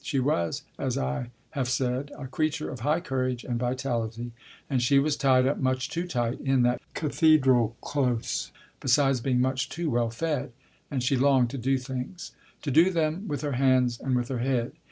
She was, as I have said, a creature of high courage and vitality and she was tied up much too tight in that Cathe dral Close, besides being much too well fed ; and she longed to do things. To do them with her hands and with her head.